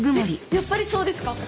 やっぱりそうですか？